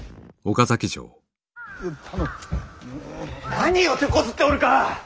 何をてこずっておるか！